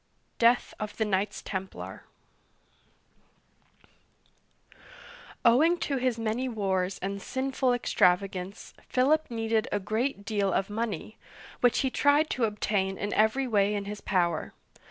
DEATH OF THE KNIGHTS TEMPLAR OWING to his many wars and sinful extravagance, Philip needed a great deal of money, which he tried to obtain in every way in his power.